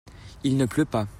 Il ne pleut pas.